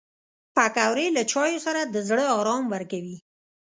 پکورې له چایو سره د زړه ارام ورکوي